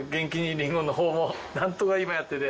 リンゴのほうもなんとか今やってて。